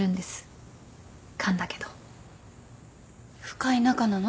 深い仲なの？